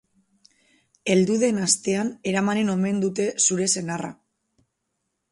Heldu den astean eramanen omen dute zure senarra.